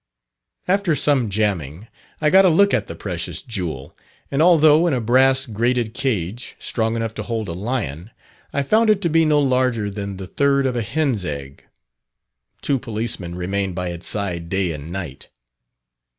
After some jamming, I got a look at the precious jewel, and although in a brass grated cage, strong enough to hold a lion, I found it to be no larger than the third of a hen's egg. Two policemen remain by its side day and night.